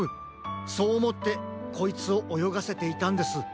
そうおもってこいつをおよがせていたんです。